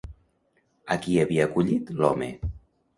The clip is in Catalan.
A qui havia acollit, l'home?